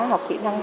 học kỹ năng